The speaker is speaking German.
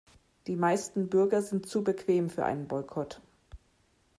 Die meisten Bürger sind zu bequem für einen Boykott.